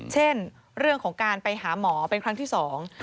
เช่นเรื่องของการไปหาหมอเป็นครั้งที่สอง